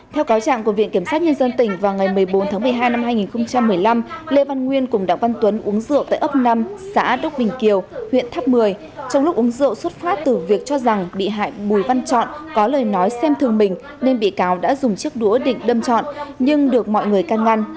theo cáo trạng của viện kiểm sát nhân dân tỉnh vào ngày một mươi bốn tháng một mươi hai năm hai nghìn một mươi năm lê văn nguyên cùng đặng văn tuấn uống rượu tại ấp năm xã đốc bình kiều huyện tháp một mươi trong lúc uống rượu xuất phát từ việc cho rằng bị hại bùi văn chọn có lời nói xem thường mình nên bị cáo đã dùng chiếc đũa định đâm chọn nhưng được mọi người căn ngăn